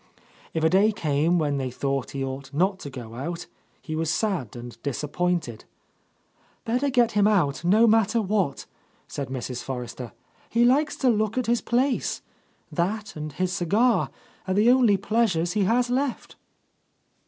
If a day came when they thought he ought not to go out, he was sad and disappointed. "Better get him out, no matter what," said Mrs. Forrester. "He likes to look at his place. That, and his cigar, are the only pleasures he has left."